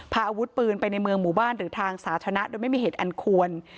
พาอาวุธปืนไปในเมืองหมู่บ้านหรือทางสาธารณะโดยไม่มีเหตุอันควร